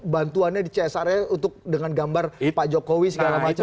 bantuannya di csr nya untuk dengan gambar pak jokowi segala macam